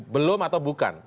belum atau bukan